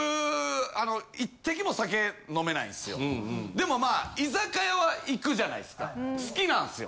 でもまあ居酒屋は行くじゃないっすか好きなんっすよ。